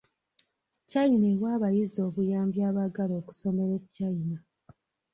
China ewa abayizi obuyambi abaagala okusomera e China.